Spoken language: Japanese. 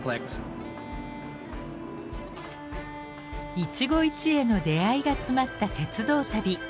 一期一会の出会いが詰まった鉄道旅。